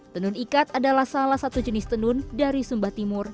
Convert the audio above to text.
tenun ikat adalah salah satu jenis tenun dari sumba timur